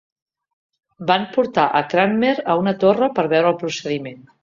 Van portar a Cranmer a una torre per veure el procediment.